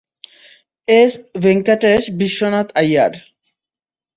S Venkatesh Vishwanath Iyer.